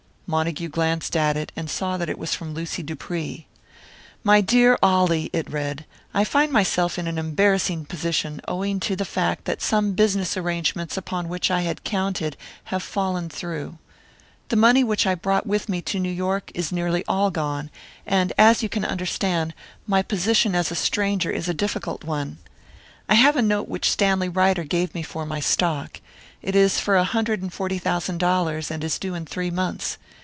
Montague glanced at it, and saw that it was from Lucy Dupree. "My dear Ollie," it read. "I find myself in an embarrassing position, owing to the fact that some business arrangements upon which I had counted have fallen through. The money which I brought with me to New York is nearly all gone, and, as you can understand, my position as a stranger is a difficult one. I have a note which Stanley Ryder gave me for my stock. It is for a hundred and forty thousand dollars, and is due in three months.